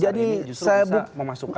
jadi saya buk